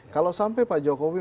kalau sampai pak jokowi